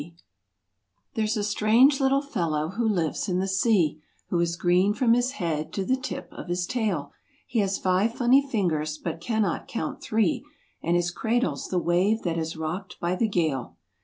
C here's a strange little fellow who lives in the sea, Who is green from his head to the tip of his tail; He has five funny fingers, but cannot count three, And his cradle's the wave that is rocked by the gale.